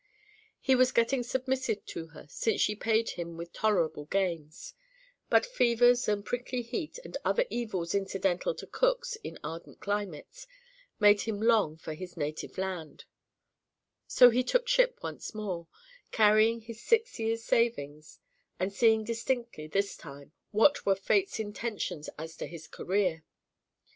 He was getting submissive to her, since she paid him with tolerable gains; but fevers and prickly heat, and other evils incidental to cooks in ardent climates, made him long for his native land; so he took ship once more, carrying his six years' savings, and seeing distinctly, this time, what were Fate's intentions as to his career.